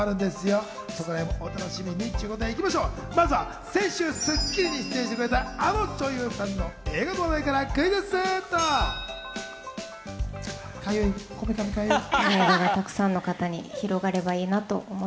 まずは先週『スッキリ』に出演してくれたあの女優さんの映画の話題からクイズッス！